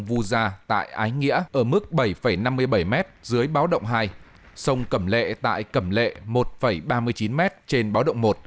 vu gia tại ái nghĩa ở mức bảy năm mươi bảy m dưới báo động hai sông cẩm lệ tại cẩm lệ một ba mươi chín m trên báo động một